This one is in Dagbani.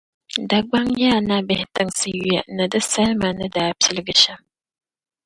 Dagbaŋ Ya-Nabihi tinsi yuya ni di salima ni daa piligi shɛm.